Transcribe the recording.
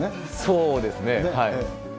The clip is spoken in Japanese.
そうですね。